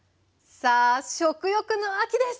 さあ食欲の秋です！